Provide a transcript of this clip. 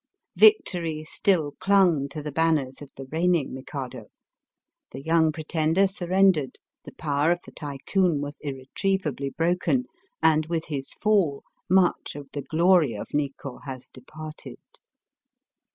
Victory still clung to the banners of the reigning Mikado. The young pretender surrendered, the power of the Tycoon was irretrievably broken, and with his fall much of the glory of Nikko has departed.